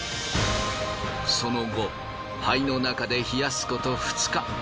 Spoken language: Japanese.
その後灰の中で冷やすこと２日。